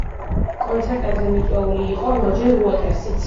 კონცერტებზე მიწვეული იყო როჯერ უოტერსიც.